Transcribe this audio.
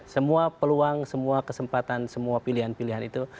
semua peluang semua kesempatan semua pilihan pilihan itu